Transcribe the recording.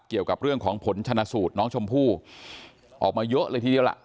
เกี่ยวกับเรื่องของผลชนะสูตรน้องชมพู่ออกมาเยอะเลยทีเดียวล่ะ